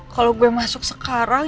kalau gue masuk sekarang